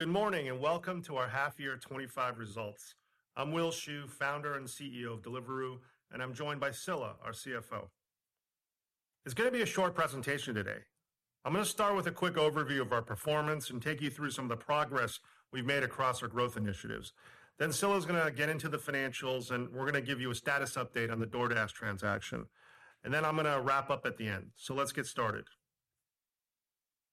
Good morning and welcome to our half-year 2025 results. I'm Will Shu, Founder and CEO of Deliveroo, and I'm joined by Scilla, our CFO. It is going to be a short presentation today. I'm going to start with a quick overview of our performance and take you through some of the progress we've made across our growth initiatives. Scilla is going to get into the financials, and we're going to give you a status update on the DoorDash transaction. I'm going to wrap up at the end. Let's get started.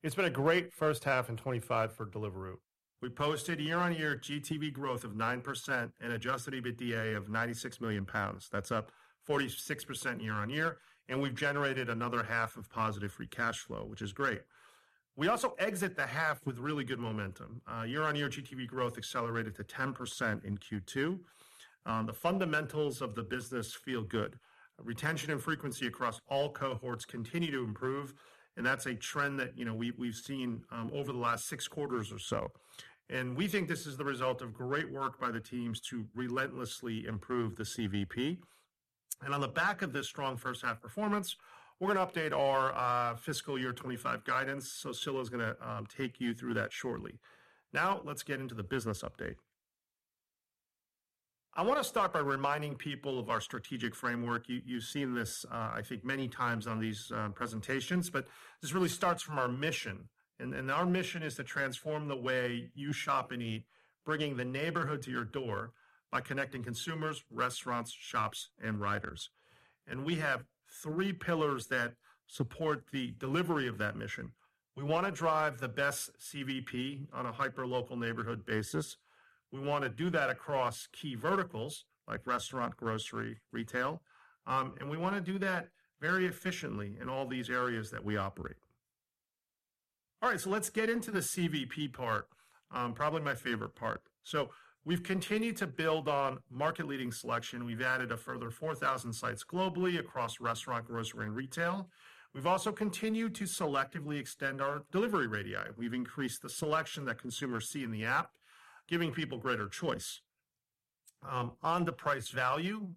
It's been a great first half in 2025 for Deliveroo. We posted year-on-year GTV growth of 9% and adjusted EBITDA of 96 million pounds. That's up 46% year-on-year. We've generated another half of positive free cash flow, which is great. We also exit the half with really good momentum. Year-on-year GTV growth accelerated to 10% in Q2. The fundamentals of the business feel good. Retention and frequency across all cohorts continue to improve. That's a trend that we've seen over the last six quarters or so. We think this is the result of great work by the teams to relentlessly improve the CVP. On the back of this strong first half performance, we're going to update our fiscal year 2025 guidance. Scilla is going to take you through that shortly. Now let's get into the business update. I want to start by reminding people of our strategic framework. You've seen this, I think, many times on these presentations, but this really starts from our mission. Our mission is to transform the way you shop and eat, bringing the neighborhood to your door by connecting consumers, restaurants, shops, and riders. We have three pillars that support the delivery of that mission. We want to drive the best CVP on a hyper-local neighborhood basis. We want to do that across key verticals like restaurant, grocery, retail. We want to do that very efficiently in all these areas that we operate. Let's get into the CVP part, probably my favorite part. We've continued to build on market-leading selection. We've added a further 4,000 sites globally across restaurant, grocery, and retail. We've also continued to selectively extend our delivery radii. We've increased the selection that consumers see in the app, giving people greater choice. On the price value,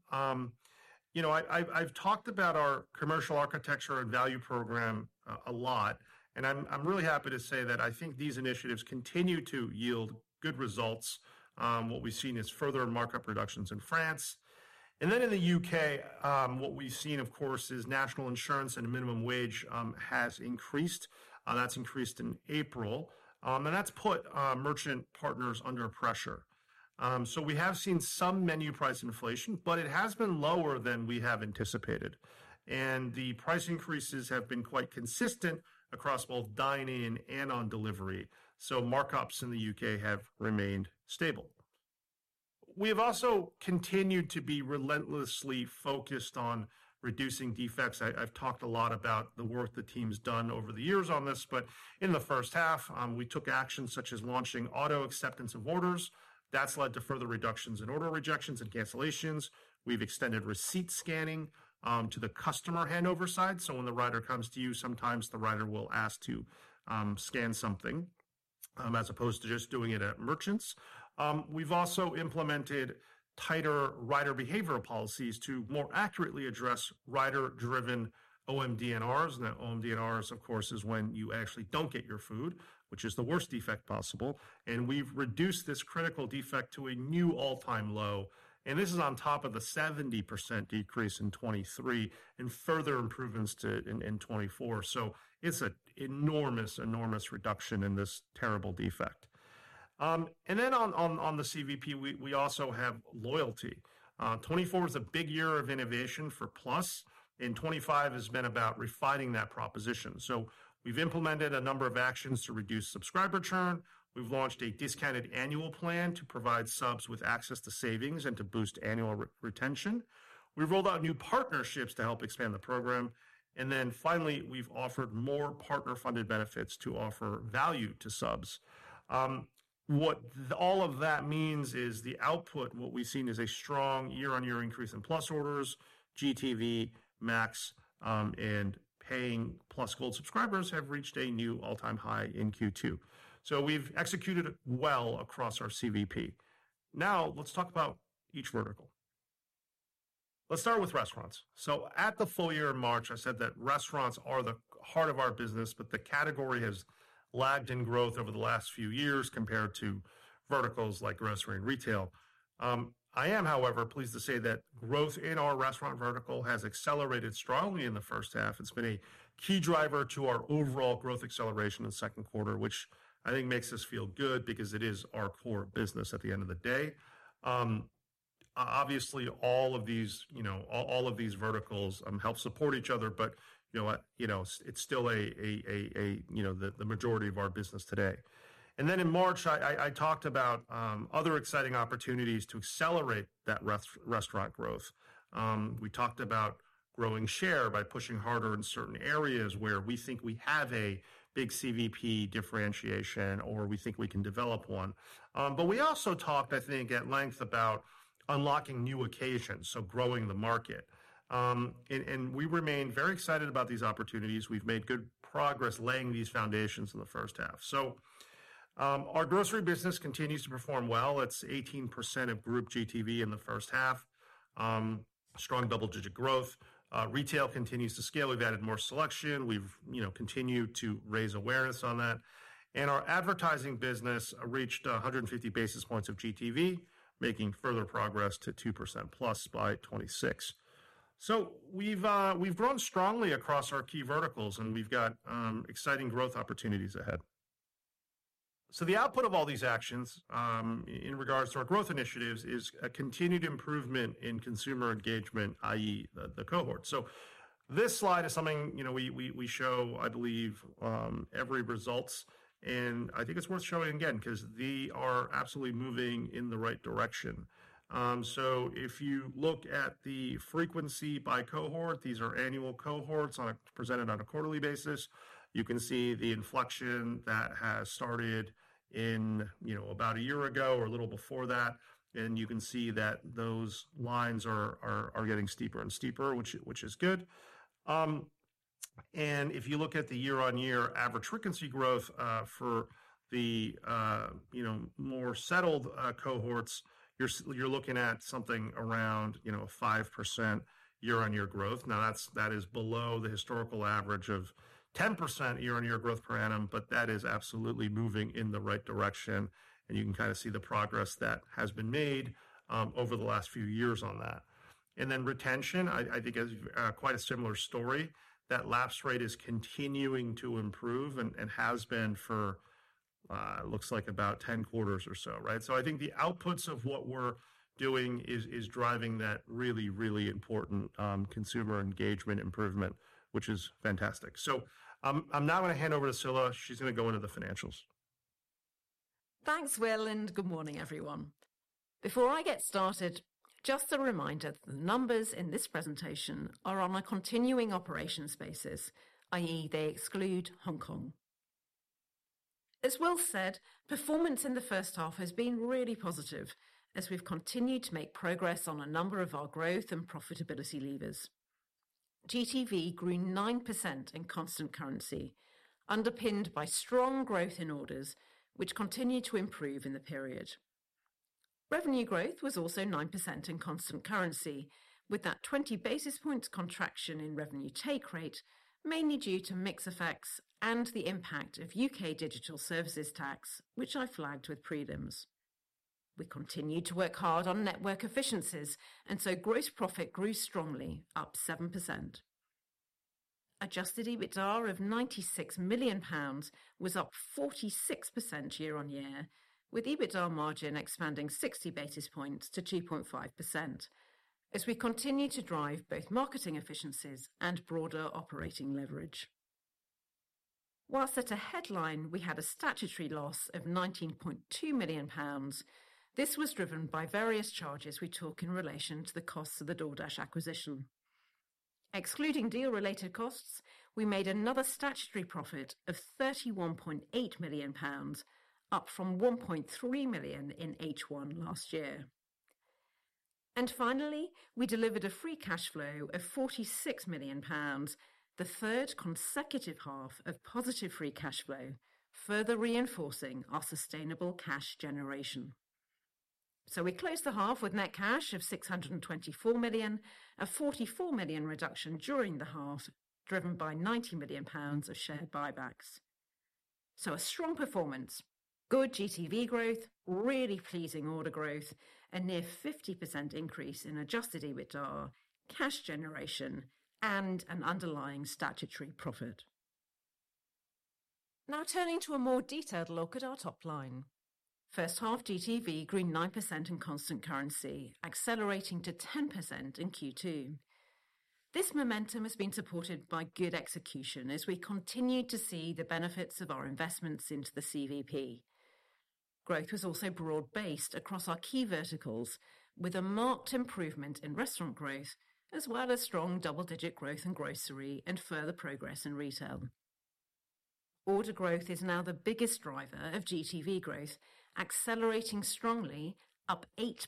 you know I've talked about our commercial architecture and value program a lot. I'm really happy to say that I think these initiatives continue to yield good results. What we've seen is further markup reductions in France. In the UK, what we've seen, of course, is national insurance and minimum wage has increased. That's increased in April, and that's put merchant partners under pressure. We have seen some menu price inflation, but it has been lower than we have anticipated. The price increases have been quite consistent across both dining and on delivery, so markups in the UK have remained stable. We have also continued to be relentlessly focused on reducing defects. I've talked a lot about the work the team's done over the years on this. In the first half, we took actions such as launching auto acceptance of orders. That's led to further reductions in order rejections and cancellations. We've extended receipt scanning to the customer handover side, so when the rider comes to you, sometimes the rider will ask to scan something as opposed to just doing it at merchants. We've also implemented tighter rider behavioral policies to more accurately address rider-driven OMDNRs. OMDNRs, of course, is when you actually don't get your food, which is the worst defect possible. We've reduced this critical defect to a new all-time low. This is on top of the 70% decrease in 2023 and further improvements in 2024. It's an enormous, enormous reduction in this terrible defect. On the CVP, we also have loyalty. 2024 was a big year of innovation for Plus, and 2025 has been about refining that proposition. We've implemented a number of actions to reduce subscriber churn. We've launched a discounted annual plan to provide subs with access to savings and to boost annual retention. We've rolled out new partnerships to help expand the program. Finally, we've offered more partner-funded benefits to offer value to subs. What all of that means is the output, what we've seen is a strong year-on-year increase in Plus orders, GTV, Max, and paying Plus Gold subscribers have reached a new all-time high in Q2. We've executed well across our CVP. Now let's talk about each vertical. Let's start with restaurants. At the full year in March, I said that restaurants are the heart of our business, but the category has lagged in growth over the last few years compared to verticals like grocery and retail. I am, however, pleased to say that growth in our restaurant vertical has accelerated strongly in the first half. It's been a key driver to our overall growth acceleration in the second quarter, which I think makes us feel good because it is our core business at the end of the day. Obviously, all of these verticals help support each other, but it's still the majority of our business today. In March, I talked about other exciting opportunities to accelerate that restaurant growth. We talked about growing share by pushing harder in certain areas where we think we have a big CVP differentiation or we think we can develop one. We also talked at length about unlocking new occasions, growing the market. We remain very excited about these opportunities. We've made good progress laying these foundations in the first half. Our grocery business continues to perform well. It's 18% of group GTV in the first half, strong double-digit growth. Retail continues to scale. We've added more selection. We've continued to raise awareness on that. Our advertising business reached 150 basis points of GTV, making further progress to 2%+ by 2026. We've grown strongly across our key verticals, and we've got exciting growth opportunities ahead. The output of all these actions in regards to our growth initiatives is a continued improvement in consumer engagement, i.e., the cohort. This slide is something we show, I believe, every results. I think it's worth showing again because they are absolutely moving in the right direction. If you look at the frequency by cohort, these are annual cohorts presented on a quarterly basis. You can see the inflection that has started about a year ago or a little before that. You can see that those lines are getting steeper and steeper, which is good. If you look at the year-on-year average frequency growth for the more settled cohorts, you're looking at something around 5% year-on-year growth. That is below the historical average of 10% year-on-year growth per annum, but that is absolutely moving in the right direction. You can kind of see the progress that has been made over the last few years on that. Retention, I think, is quite a similar story. That lapse rate is continuing to improve and has been for, it looks like, about 10 quarters or so. I think the outputs of what we're doing are driving that really, really important consumer engagement improvement, which is fantastic. I'm now going to hand over to Scilla. She's going to go into the financials. Thanks, Will, and good morning, everyone. Before I get started, just a reminder that the numbers in this presentation are on a continuing operations basis, i.e., they exclude Hong Kong. As Will said, performance in the first half has been really positive as we've continued to make progress on a number of our growth and profitability levers. GTV grew 9% in constant currency, underpinned by strong growth in orders, which continued to improve in the period. Revenue growth was also 9% in constant currency, with that 20 basis points contraction in revenue take rate, mainly due to mix effects and the impact of UK digital services tax, which I flagged with pre-dims. We continued to work hard on network efficiencies, and gross profit grew strongly, up 7%. Adjusted EBITDA of 96 million pounds was up 46% year-on-year, with EBITDA margin expanding 60 basis points to 2.5% as we continue to drive both marketing efficiencies and broader operating leverage. Whilst at a headline, we had a statutory loss of 19.2 million pounds. This was driven by various charges we took in relation to the costs of the DoorDash acquisition. Excluding deal-related costs, we made another statutory profit of 31.8 million pounds, up from 1.3 million in H1 last year. Finally, we delivered a free cash flow of 46 million pounds, the third consecutive half of positive free cash flow, further reinforcing our sustainable cash generation. We closed the half with net cash of 624 million, a 44 million reduction during the half, driven by 90 million pounds of share buybacks. A strong performance, good GTV growth, really pleasing order growth, a near 50% increase in adjusted EBITDA, cash generation, and an underlying statutory profit. Now turning to a more detailed look at our top line. First half, GTV grew 9% in constant currency, accelerating to 10% in Q2. This momentum has been supported by good execution as we continued to see the benefits of our investments into the CVP. Growth was also broad-based across our key verticals, with a marked improvement in restaurant growth, as well as strong double-digit growth in grocery and further progress in retail. Order growth is now the biggest driver of GTV growth, accelerating strongly, up 8%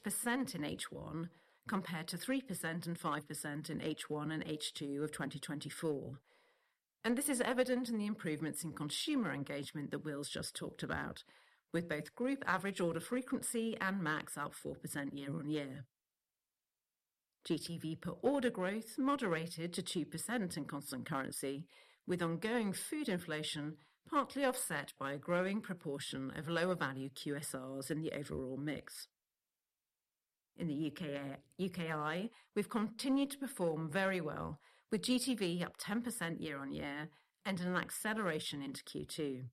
in H1 compared to 3% and 5% in H1 and H2 of 2024. This is evident in the improvements in consumer engagement that Will's just talked about, with both group average order frequency and Max out 4% year-on-year. GTV per order growth moderated to 2% in constant currency, with ongoing food inflation partly offset by a growing proportion of lower value QSRs in the overall mix. In the UK alone, we've continued to perform very well, with GTV up 10% year-on-year and an acceleration into Q2.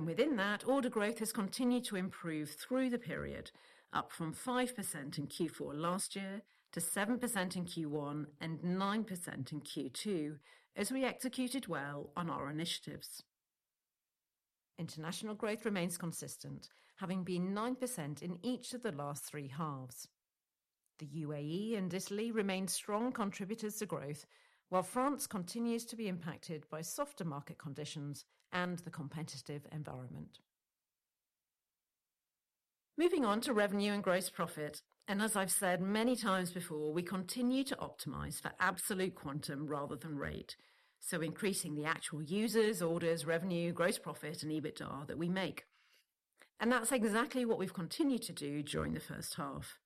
Within that, order growth has continued to improve through the period, up from 5% in Q4 last year to 7% in Q1 and 9% in Q2 as we executed well on our initiatives. International growth remains consistent, having been 9% in each of the last three halves. The UAE and Italy remain strong contributors to growth, while France continues to be impacted by softer market conditions and the competitive environment. Moving on to revenue and gross profit, as I've said many times before, we continue to optimize for absolute quantum rather than rate. Increasing the actual users, orders, revenue, gross profit, and EBITDA that we make is exactly what we've continued to do during the first half.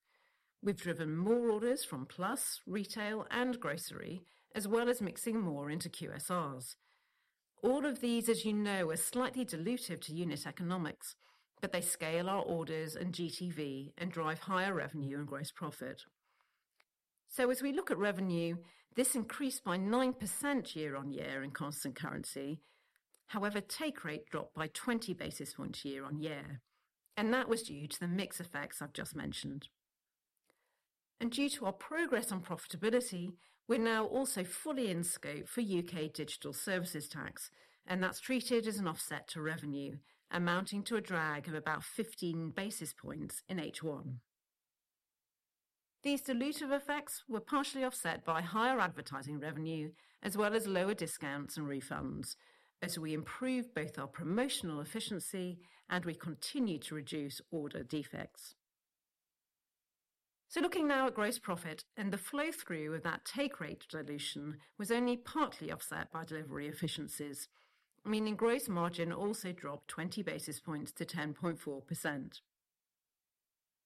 We've driven more orders from Plus, Retail, and Grocery, as well as mixing more into QSRs. All of these, as you know, are slightly dilutive to unit economics, but they scale our orders and GTV and drive higher revenue and gross profit. As we look at revenue, this increased by 9% year-on-year in constant currency. However, take rate dropped by 20 basis points year-on-year. That was due to the mix effects I've just mentioned. Due to our progress on profitability, we're now also fully in scope for UK digital services tax, and that's treated as an offset to revenue, amounting to a drag of about 15 basis points in H1. These dilutive effects were partially offset by higher advertising revenue, as well as lower discounts and refunds, as we improved both our promotional efficiency and we continued to reduce order defects. Looking now at gross profit, the flow-through of that take rate dilution was only partly offset by delivery efficiencies, meaning gross margin also dropped 20 basis points to 10.4%.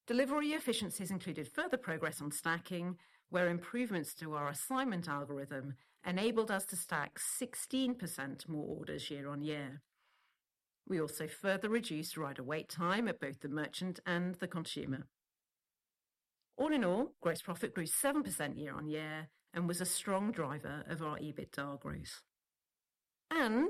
Delivery efficiencies included further progress on stacking, where improvements to our assignment algorithm enabled us to stack 16% more orders year-on-year. We also further reduced rider wait time at both the merchant and the consumer. All in all, gross profit grew 7% year-on-year and was a strong driver of our EBITDA growth.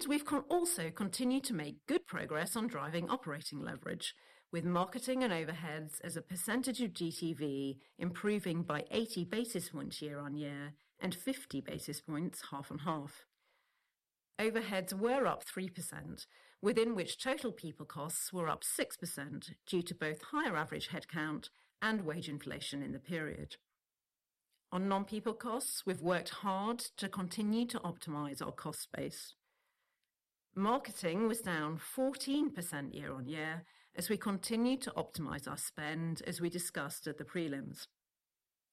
We've also continued to make good progress on driving operating leverage, with marketing and overheads as a percentage of GTV improving by 80 basis points year-on-year and 50 basis points half and half. Overheads were up 3%, within which total people costs were up 6% due to both higher average headcount and wage inflation in the period. On non-people costs, we've worked hard to continue to optimize our cost base. Marketing was down 14% year-on-year as we continued to optimize our spend as we discussed at the prelims.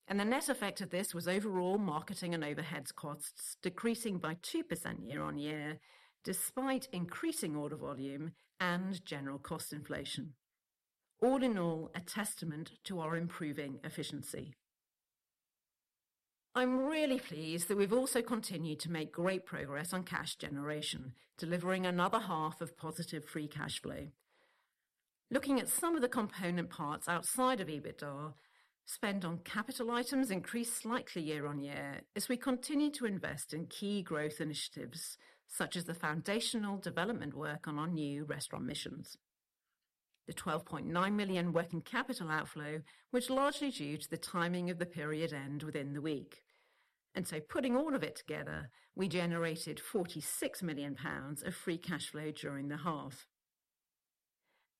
The net effect of this was overall marketing and overheads costs decreasing by 2% year-on-year, despite increasing order volume and general cost inflation. All in all, a testament to our improving efficiency. I'm really pleased that we've also continued to make great progress on cash generation, delivering another half of positive free cash flow. Looking at some of the component parts outside of EBITDA, spend on capital items increased slightly year-on-year as we continue to invest in key growth initiatives, such as the foundational development work on our new restaurant missions. The 12.9 million working capital outflow was largely due to the timing of the period end within the week. Putting all of it together, we generated 46 million pounds of free cash flow during the half.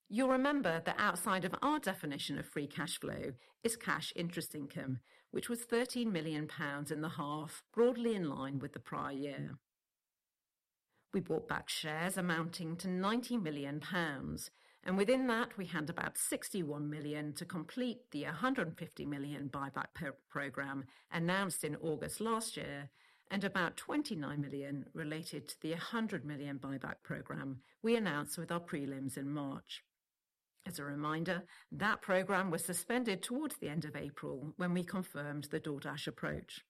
You'll remember that outside of our definition of free cash flow is cash interest income, which was 13 million pounds in the half, broadly in line with the prior year. We bought back shares amounting to 90 million pounds. Within that, we had about 61 million to complete the 150 million buyback program announced in August last year, and about 29 million related to the 100 million buyback program we announced with our prelims in March. As a reminder, that program was suspended towards the end of April when we confirmed the DoorDash approach.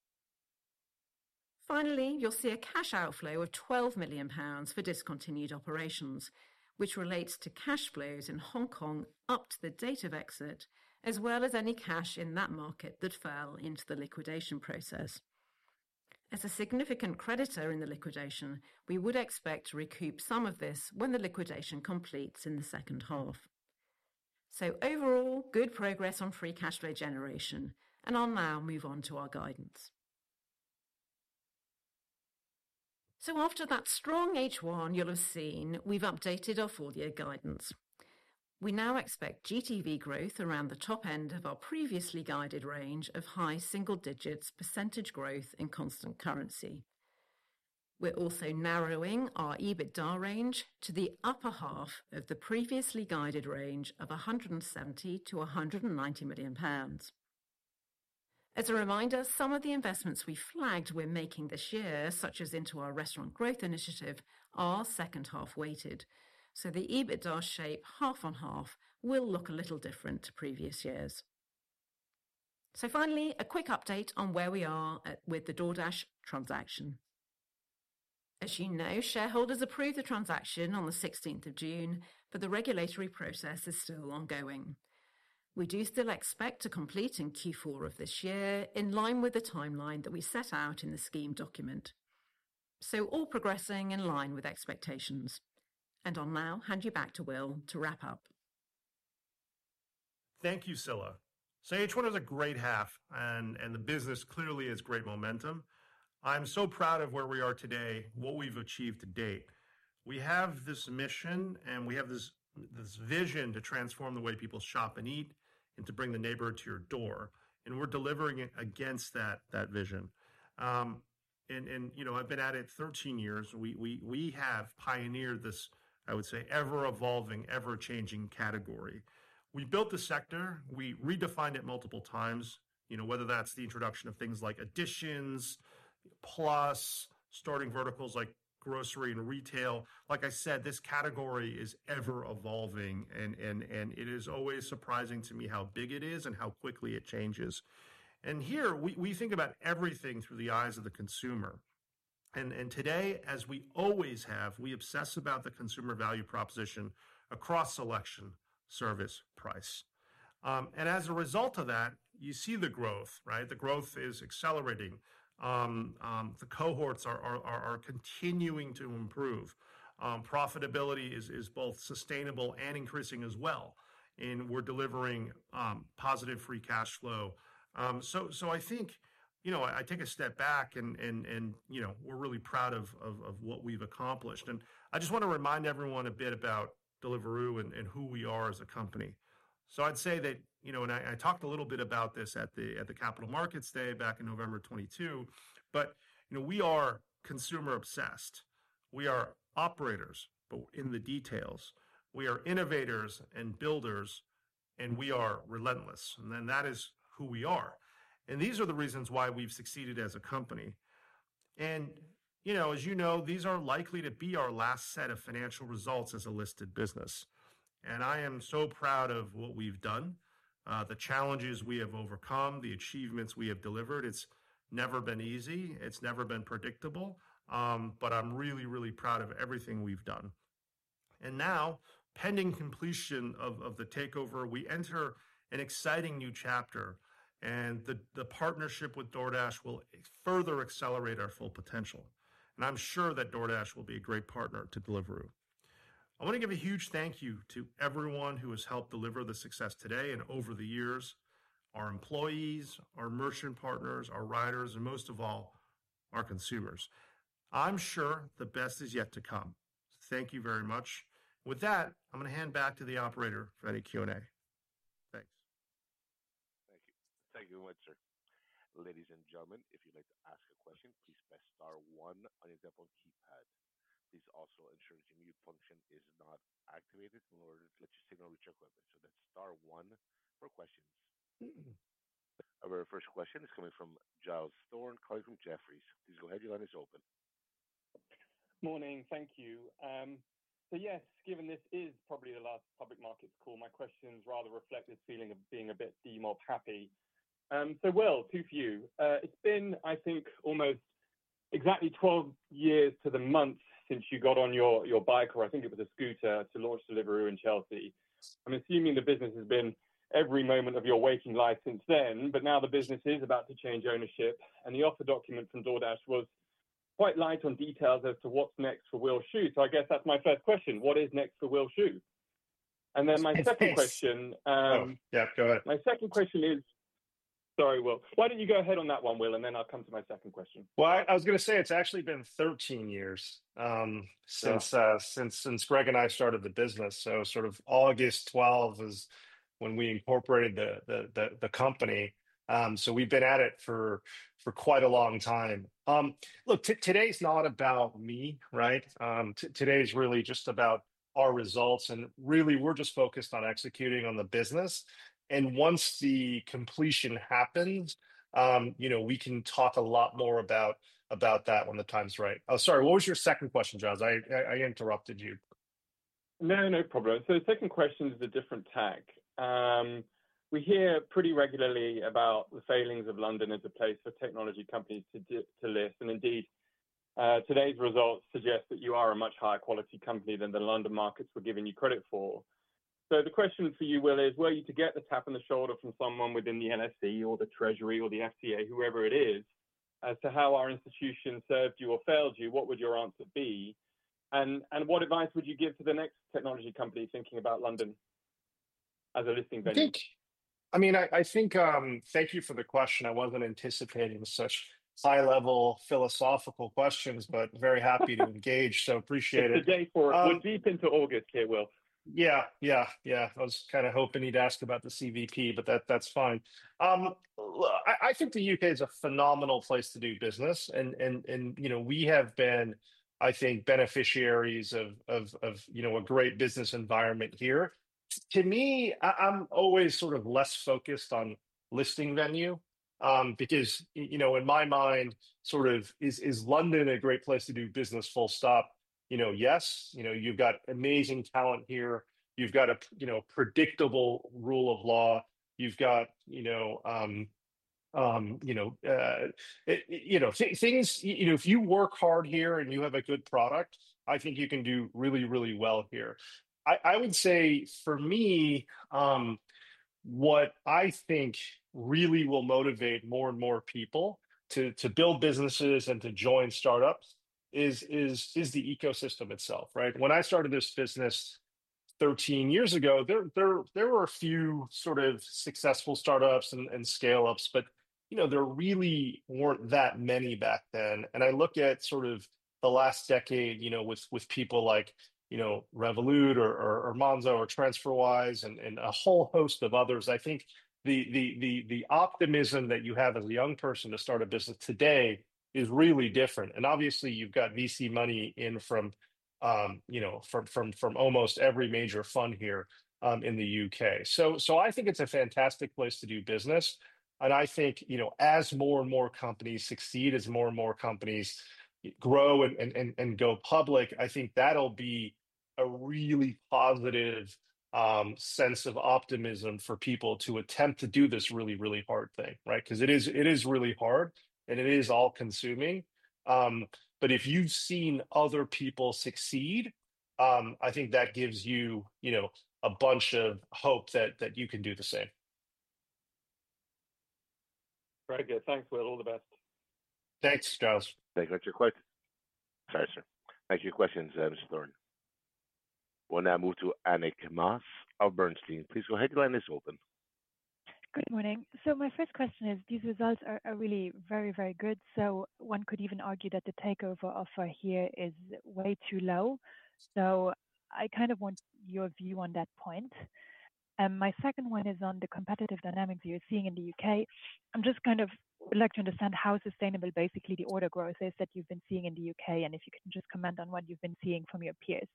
Finally, you'll see a cash outflow of 12 million pounds for discontinued operations, which relates to cash flows in Hong Kong up to the date of exit, as well as any cash in that market that fell into the liquidation process. As a significant creditor in the liquidation, we would expect to recoup some of this when the liquidation completes in the second half. Overall, good progress on free cash flow generation. I'll now move on to our guidance. After that strong H1, you'll have seen we've updated our full-year guidance. We now expect GTV growth around the top end of our previously guided range of high single digits percentage growth in constant currency. We're also narrowing our adjusted EBITDA range to the upper half of the previously guided range of 170 million-190 million pounds. As a reminder, some of the investments we flagged we're making this year, such as into our restaurant growth initiative, are second half weighted. The adjusted EBITDA shape half and half will look a little different to previous years. Finally, a quick update on where we are with the DoorDash transaction. As you know, shareholders approved the transaction on the 16th of June, but the regulatory process is still ongoing. We do still expect to complete in Q4 of this year, in line with the timeline that we set out in the scheme document. All progressing in line with expectations. I'll now hand you back to Will to wrap up. Thank you, Scilla. H1 was a great half, and the business clearly has great momentum. I'm so proud of where we are today, what we've achieved to date. We have this mission, and we have this vision to transform the way people shop and eat and to bring the neighborhood to your door. We're delivering against that vision. You know I've been at it 13 years. We have pioneered this, I would say, ever-evolving, ever-changing category. We built the sector. We redefined it multiple times, whether that's the introduction of things like additions, Plus, starting verticals like grocery and retail. Like I said, this category is ever-evolving, and it is always surprising to me how big it is and how quickly it changes. Here, we think about everything through the eyes of the consumer. Today, as we always have, we obsess about the consumer value proposition across selection, service, price. As a result of that, you see the growth. The growth is accelerating. The cohorts are continuing to improve. Profitability is both sustainable and increasing as well. We're delivering positive free cash flow. I take a step back, and we're really proud of what we've accomplished. I just want to remind everyone a bit about Deliveroo and who we are as a company. I'd say that, and I talked a little bit about this at the Capital Markets Day back in November 2022, but we are consumer-obsessed. We are operators, but in the details. We are innovators and builders, and we are relentless. That is who we are. These are the reasons why we've succeeded as a company. As you know, these are likely to be our last set of financial results as a listed business. I am so proud of what we've done, the challenges we have overcome, the achievements we have delivered. It's never been easy. It's never been predictable. I'm really, really proud of everything we've done. Now, pending completion of the takeover, we enter an exciting new chapter. The partnership with DoorDash will further accelerate our full potential. I'm sure that DoorDash will be a great partner to Deliveroo. I want to give a huge thank you to everyone who has helped deliver the success today and over the years, our employees, our merchant partners, our riders, and most of all, our consumers. I'm sure the best is yet to come. Thank you very much. With that, I'm going to hand back to the operator for any Q&A. Thanks. Thank you. Thank you very much, sir. Ladies and gentlemen, if you'd like to ask a question, please press star one on your telephone keypad. Please also ensure the mute function is not activated in order to let you signal with your equipment. That's star one for questions. Our very first question is coming from Giles Thorne, calling from Jefferies. Please go ahead and your line is open. Morning. Thank you. Given this is probably the last public markets call, my questions rather reflect this feeling of being a bit DMARC happy. Will, for you. It's been, I think, almost exactly 12 years to the month since you got on your bike, or I think it was a scooter, to launch Deliveroo in Chelsea. I'm assuming the business has been every moment of your waking life since then. Now the business is about to change ownership. The offer document from DoorDash was quite light on details as to what's next for Will Shu. I guess that's my first question. What is next for Will Shu? My second question. Yeah, go ahead. My second question is, sorry, Will, why don't you go ahead on that one, and then I'll come to my second question? It has actually been 13 years since Greg and I started the business. August 12 is when we incorporated the company, so we've been at it for quite a long time. Today's not about me, right? Today's really just about our results, and we're just focused on executing on the business. Once the completion happens, we can talk a lot more about that when the time's right. Oh, sorry. What was your second question, Giles? I interrupted you. No problem. The second question is a different tag. We hear pretty regularly about the failings of London as a place for technology companies to list. Indeed, today's results suggest that you are a much higher quality company than the London markets were giving you credit for. The question for you, Will, is were you to get the tap on the shoulder from someone within the NSD or the Treasury or the FCA, whoever it is, as to how our institution served you or failed you, what would your answer be? What advice would you give to the next technology company thinking about London as a listing bench? Thank you for the question. I wasn't anticipating such high-level philosophical questions, but very happy to engage. Appreciate it. Today, we're deep into August here, Will. I was kind of hoping he'd ask about the CVP, but that's fine. I think the UK is a phenomenal place to do business. We have been, I think, beneficiaries of a great business environment here. To me, I'm always sort of less focused on listing venue because in my mind, is London a great place to do business, full stop? Yes. You've got amazing talent here. You've got a predictable rule of law. You've got things. If you work hard here and you have a good product, I think you can do really, really well here. I would say for me, what I think really will motivate more and more people to build businesses and to join startups is the ecosystem itself. When I started this business 13 years ago, there were a few sort of successful startups and scale-ups, but there really weren't that many back then. I look at the last decade with people like Revolut or Monzo or TransferWise and a whole host of others. I think the optimism that you have as a young person to start a business today is really different. Obviously, you've got VC money in from almost every major fund here in the UK. I think it's a fantastic place to do business. As more and more companies succeed, as more and more companies grow and go public, I think that'll be a really positive sense of optimism for people to attempt to do this really, really hard thing. It is really hard, and it is all-consuming. If you've seen other people succeed, I think that gives you a bunch of hope that you can do the same. Very good. Thanks, Will. All the best. Thanks, Giles. Thank you for your question, Mr. Thorne. We'll now move to Annick Maas of Bernstein. Please go ahead. Your line is open. Good morning. My first question is these results are really very, very good. One could even argue that the takeover offer here is way too low. I want your view on that point. My second one is on the competitive dynamics you're seeing in the UK. I would like to understand how sustainable basically the order growth is that you've been seeing in the UK and if you can comment on what you've been seeing from your peers.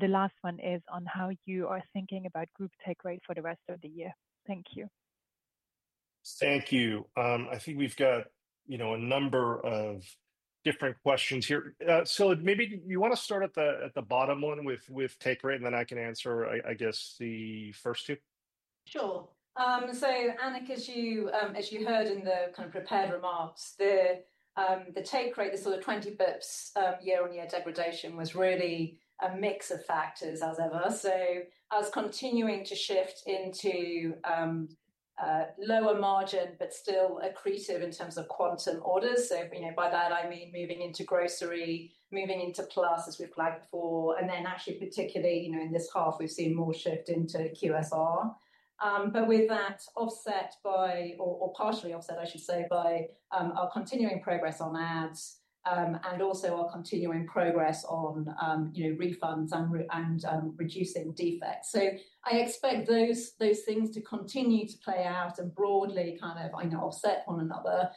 The last one is on how you are thinking about group take rate for the rest of the year. Thank you. Thank you. I think we've got a number of different questions here. Scilla, maybe you want to start at the bottom one with take rate, and then I can answer, I guess, the first few. Sure. Annick, as you heard in the prepared remarks, the take rate, the sort of 20 bps of year-on-year degradation, was really a mix of factors, as ever. I was continuing to shift into lower margin, but still accretive in terms of quantum orders. By that, I mean moving into grocery, moving into Plus as we've planned for, and then actually, particularly in this half, we've seen more shift into QSR. That was partially offset by our continuing progress on ads and also our continuing progress on refunds and reducing defects. I expect those things to continue to play out and broadly offset one another.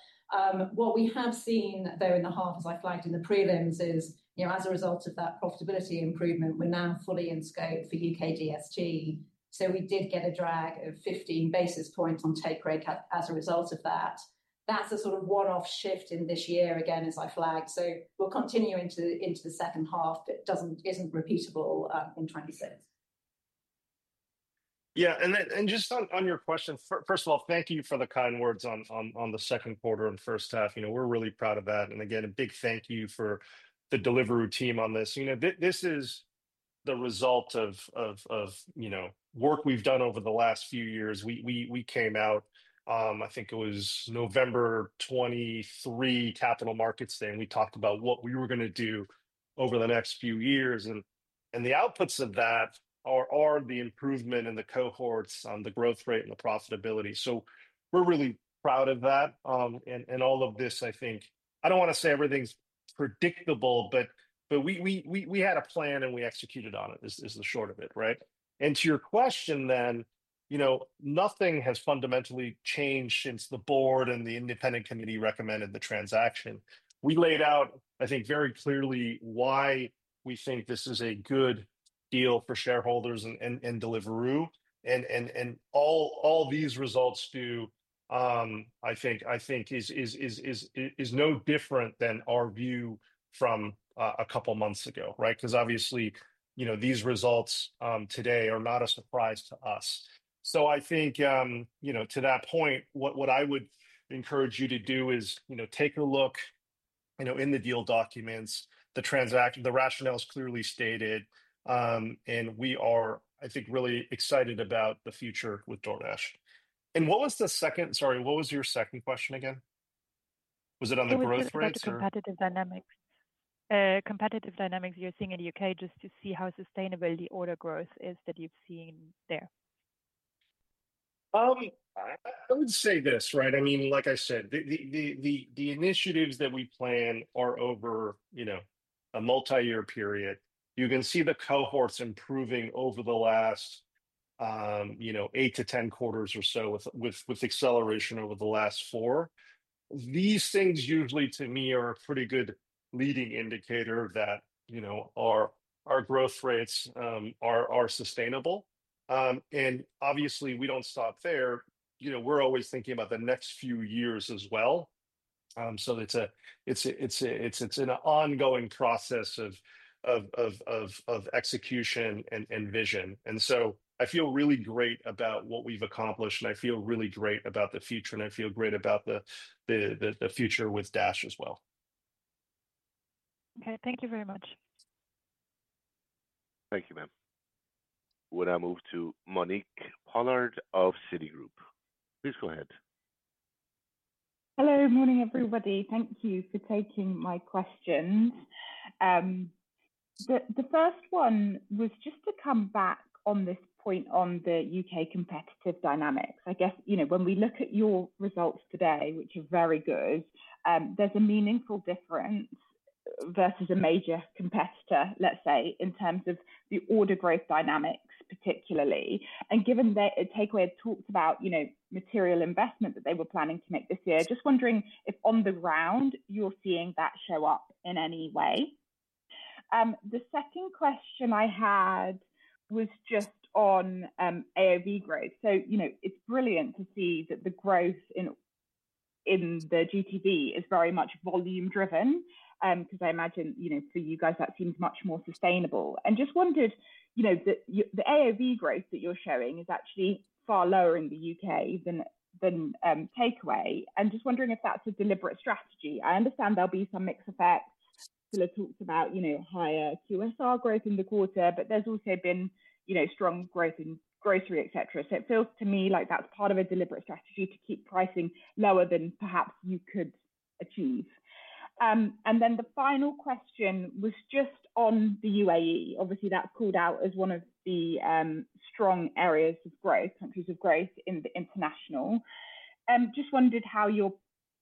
What we have seen in the half, as I flagged in the prelims, is as a result of that profitability improvement, we're now fully in scope for UK DSG. We did get a drag of 15 basis points on take rate as a result of that. That's a one-off shift in this year, again, as I flagged. It will continue into the second half, but it isn't repeatable on 2026. Yeah. Just on your question, first of all, thank you for the kind words on the second quarter and first half. We're really proud of that. Again, a big thank you for the Deliveroo team on this. This is the result of work we've done over the last few years. We came out, I think it was November 2023, Capital Markets Day, and we talked about what we were going to do over the next few years. The outputs of that are the improvement in the cohorts on the growth rate and the profitability. We're really proud of that. All of this, I think, I don't want to say everything's predictable, but we had a plan and we executed on it, is the short of it. Right? To your question, nothing has fundamentally changed since the board and the independent committee recommended the transaction. We laid out, I think, very clearly why we think this is a good deal for shareholders and Deliveroo. All these results do, I think, is no different than our view from a couple of months ago. Right? Obviously, these results today are not a surprise to us. I think, to that point, what I would encourage you to do is take a look in the deal documents. The rationale is clearly stated. We are, I think, really excited about the future with DoorDash. What was the second, sorry, what was your second question again? Was it on the growth rates? The competitive dynamics. Competitive dynamics you're seeing in the UK, just to see how sustainable the order growth is that you've seen there. I would say this. Like I said, the initiatives that we plan are over a multi-year period. You can see the cohorts improving over the last eight to 10 quarters or so, with acceleration over the last four. These things usually, to me, are a pretty good leading indicator that our growth rates are sustainable. Obviously, we don't stop there. We're always thinking about the next few years as well. It is an ongoing process of execution and vision. I feel really great about what we've accomplished, and I feel really great about the future, and I feel great about the future with Dash as well. Okay, thank you very much. Thank you, ma'am. We'll now move to Monique Pollard of Citigroup. Please go ahead. Hello. Morning, everybody. Thank you for taking my questions. The first one was just to come back on this point on the UK competitive dynamics. I guess, you know, when we look at your results today, which are very good, there's a meaningful difference versus a major competitor, let's say, in terms of the order growth dynamics particularly. Given that Eat Takeaway had talked about, you know, material investment that they were planning to make this year, just wondering if on the round you're seeing that show up in any way. The second question I had was just on AOV growth. It's brilliant to see that the growth in the GTV is very much volume-driven because I imagine, you know, for you guys, that seems much more sustainable. I just wondered, you know, the AOV growth that you're showing is actually far lower in the UK than Takeaway. Just wondering if that's a deliberate strategy. I understand there'll be some mix effects. Scilla talked about, you know, higher QSR growth in the quarter, but there's also been, you know, strong growth in grocery, etc. It feels to me like that's part of a deliberate strategy to keep pricing lower than perhaps you could achieve. The final question was just on the UAE. Obviously, that's called out as one of the strong areas of growth, countries of growth in the international. Just wondered how you're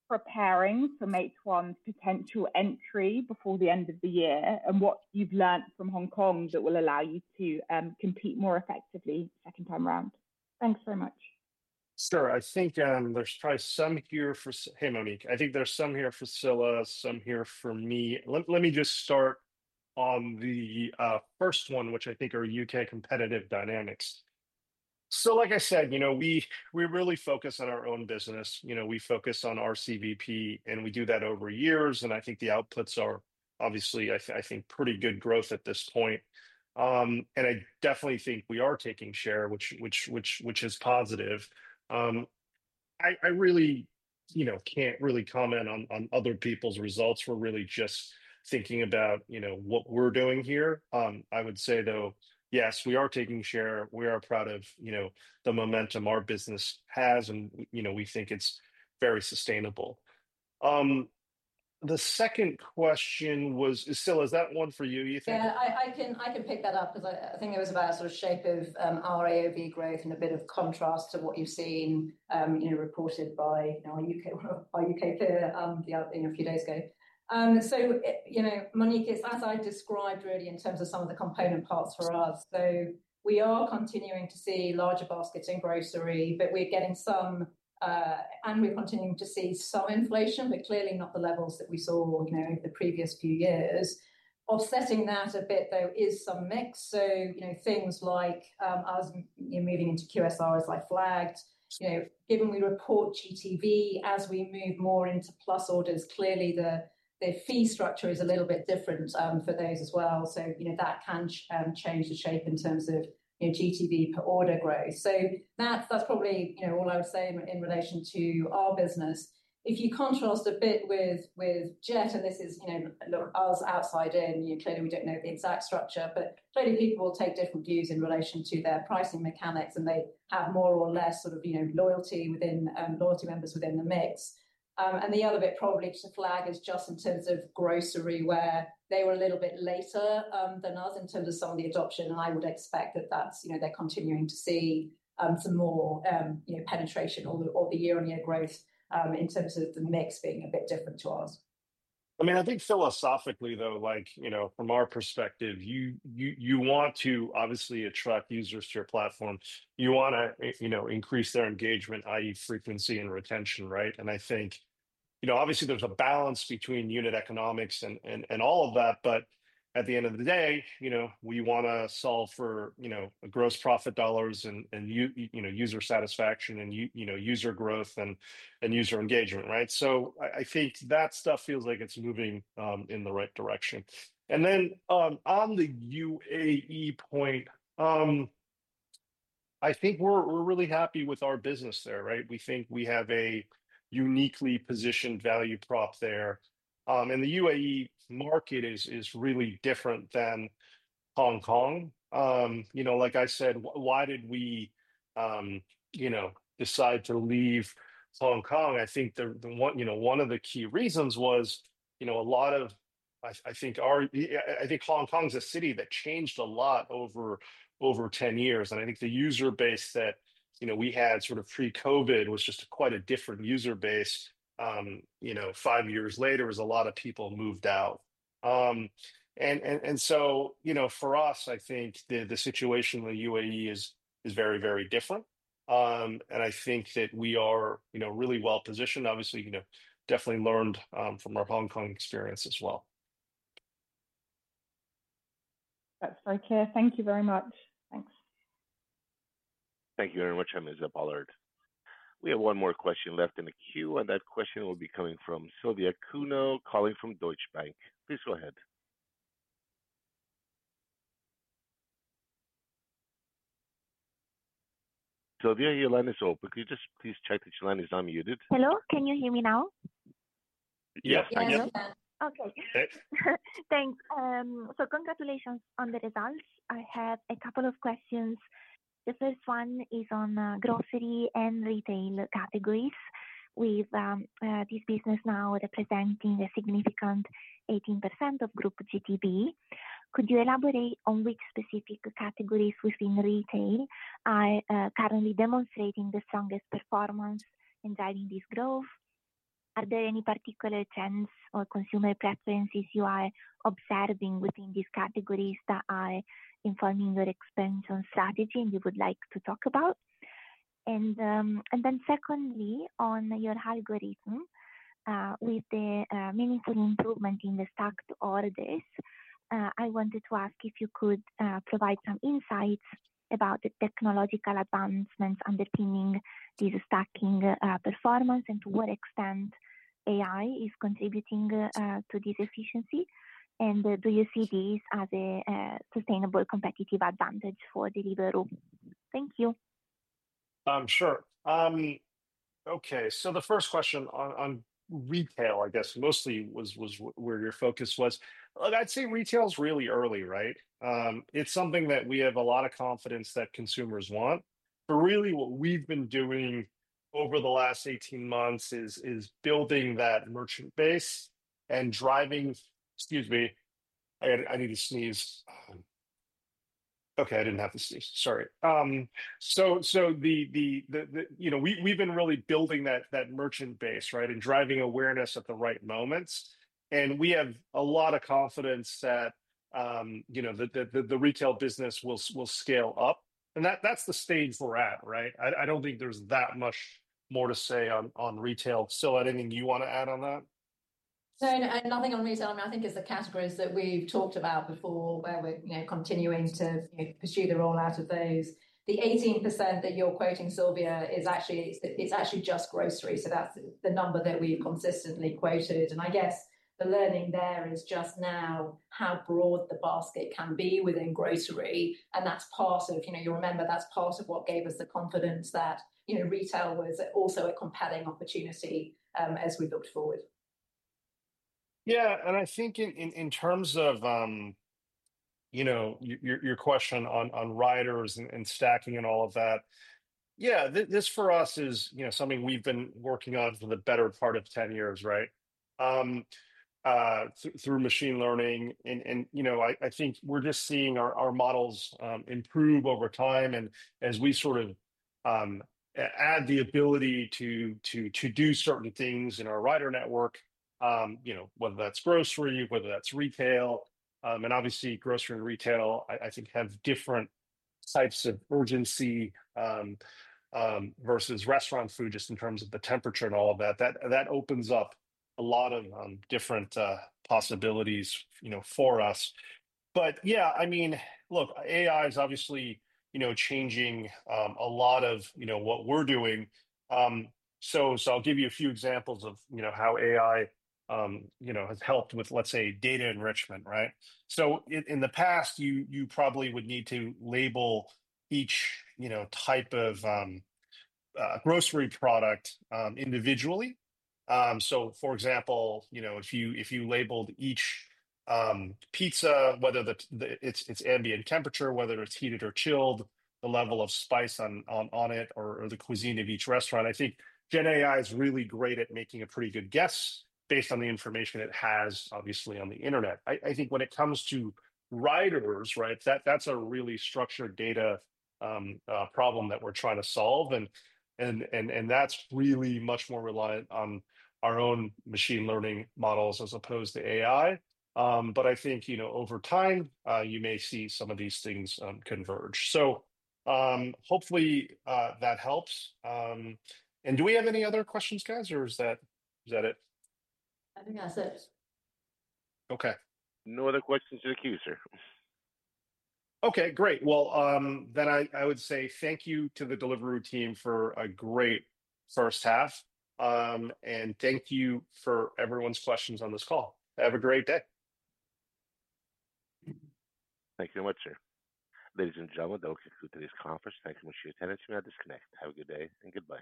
preparing from H1's potential entry before the end of the year and what you've learned from Hong Kong that will allow you to compete more effectively second time around. Thanks very much. Sure. I think there's probably some here for, hey, Monique. I think there's some here for Scilla, some here for me. Let me just start on the first one, which I think are UK competitive dynamics. Like I said, we're really focused on our own business. We focus on our CVP, and we do that over years. I think the outputs are obviously pretty good growth at this point. I definitely think we are taking share, which is positive. I really can't comment on other people's results. We're really just thinking about what we're doing here. I would say, though, yes, we are taking share. We are proud of the momentum our business has, and we think it's very sustainable. The second question was, Scilla, is that one for you? Yeah, I can pick that up because I think it was about sort of shape of our AOV growth and a bit of contrast to what you've seen reported by our UK peer a few days ago. Monique, as I described really in terms of some of the component parts for us, though, we are continuing to see larger baskets in grocery, but we're getting some, and we're continuing to see some inflation, but clearly not the levels that we saw in the previous few years. Offsetting that a bit is some mix. Things like us moving into QSR, as I flagged, given we report GTV, as we move more into Plus orders, clearly the fee structure is a little bit different for those as well. That can change the shape in terms of GTV per order growth. That's probably all I would say in relation to our business. If you contrast a bit with JET, and this is, look, us outside in, clearly we don't know the exact structure, but clearly people will take different views in relation to their pricing mechanics, and they have more or less loyalty members within the mix. The other bit probably to flag is just in terms of grocery, where they were a little bit later than us in terms of some of the adoption. I would expect that they're continuing to see some more penetration or the year-on-year growth in terms of the mix being a bit different to us. I mean, I think philosophically, though, from our perspective, you want to obviously attract users to your platform. You want to increase their engagement, i.e., frequency and retention. Right? I think there's a balance between unit economics and all of that. At the end of the day, we want to solve for gross profit dollars and user satisfaction and user growth and user engagement. Right? I think that stuff feels like it's moving in the right direction. On the UAE point, I think we're really happy with our business there. Right? We think we have a uniquely positioned value prop there, and the UAE market is really different than Hong Kong. Like I said, why did we decide to leave Hong Kong? I think one of the key reasons was, I think Hong Kong is a city that changed a lot over 10 years. I think the user base that we had sort of pre-COVID was just quite a different user base. Five years later, a lot of people moved out. For us, I think the situation in the UAE is very, very different, and I think that we are really well positioned. Obviously, we definitely learned from our Hong Kong experience as well. OK, thank you very much. Thanks. Thank you very much, Miss Pollard. We have one more question left in the queue. That question will be coming from Silvia Cuneo, calling from Deutsche Bank. Please go ahead. Silvia, your line is open. Could you just please check that your line is unmuted? Hello. Can you hear me now? Yes, I can. Okay. Thanks. Congratulations on the results. I have a couple of questions. The first one is on grocery and retail categories with this business now representing a significant 18% of group GTV. Could you elaborate on which specific categories within retail are currently demonstrating the strongest performance in driving this growth? Are there any particular trends or consumer preferences you are observing within these categories that are informing your expansion strategy you would like to talk about? Secondly, on your algorithm with the meaningful improvement in the stacked orders, I wanted to ask if you could provide some insights about the technological advancements underpinning this stacking performance and to what extent AI is contributing to this efficiency. Do you see these as a sustainable competitive advantage for Deliveroo? Thank you. Sure. OK. The first question on retail, I guess, mostly was where your focus was. I'd say retail is really early, right? It's something that we have a lot of confidence that consumers want. What we've been doing over the last 18 months is building that merchant base and driving—excuse me, I need to sneeze. Okay, I didn't have to sneeze. Sorry. We've been really building that merchant base, right, and driving awareness at the right moments. We have a lot of confidence that the retail business will scale up. That's the stage we're at, right? I don't think there's that much more to say on retail. Scilla, anything you want to add on that? No, nothing on retail. I think it's the categories that we've talked about before where we're continuing to pursue the rollout of those. The 18% that you're quoting, Silvia, is actually just grocery. That's the number that we've consistently quoted. I guess the learning there is just now how broad the basket can be within grocery. That's part of, you know, you remember, that's part of what gave us the confidence that retail was also a compelling opportunity as we looked forward. Yeah. I think in terms of your question on riders and stacking and all of that, this for us is something we've been working on for the better part of 10 years through machine learning. I think we're just seeing our models improve over time. As we sort of add the ability to do certain things in our rider network, whether that's grocery, whether that's retail, and obviously, grocery and retail have different types of urgency versus restaurant food just in terms of the temperature and all of that. That opens up a lot of different possibilities for us. Yeah, I mean, look, AI is obviously changing a lot of what we're doing. I'll give you a few examples of how AI has helped with, let's say, data enrichment. In the past, you probably would need to label each type of grocery product individually. For example, if you labeled each pizza, whether it's ambient temperature, whether it's heated or chilled, the level of spice on it, or the cuisine of each restaurant, I think GenAI is really great at making a pretty good guess based on the information it has, obviously, on the internet. I think when it comes to riders, that's a really structured data problem that we're trying to solve. That's really much more reliant on our own machine learning models as opposed to AI. I think over time, you may see some of these things converge. Hopefully, that helps. Do we have any other questions, guys, or is that it? I think that's it. OK. No other questions in the queue, sir. OK, great. I would say thank you to the Deliveroo team for a great first half, and thank you for everyone's questions on this call. Have a great day. Thank you so much, sir. Ladies and gentlemen, this concludes today's conference. Thank you so much for your attendance. We now disconnect. Have a good day and good luck.